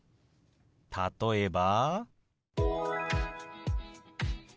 例えば。